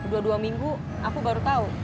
dua dua minggu aku baru tahu